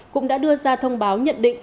cũng đã đưa ra thông báo nhận định